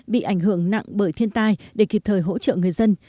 bị ảnh hưởng nặng bởi thiên tai để kịp thời hỗ trợ người dân